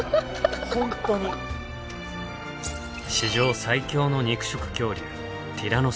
史上最強の肉食恐竜